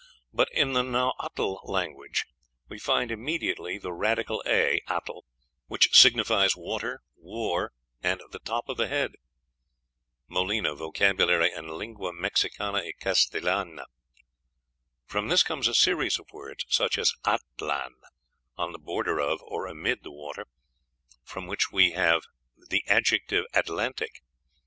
But in the Nahuatl language we find immediately the radical a, atl, which signifies water, war, and the top of the head. (Molina, "Vocab. en lengua Mexicana y Castellana.") From this comes a series of words, such as atlan on the border of or amid the water from which we have the adjective Atlantic.